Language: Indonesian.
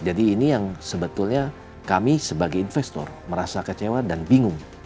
jadi ini yang sebetulnya kami sebagai investor merasa kecewa dan bingung